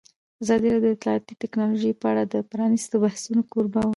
ازادي راډیو د اطلاعاتی تکنالوژي په اړه د پرانیستو بحثونو کوربه وه.